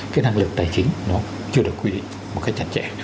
cái năng lực tài chính nó chưa được quy định một cách chặt chẽ